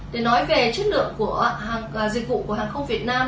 để nói về chất lượng của dịch vụ của hàng không việt nam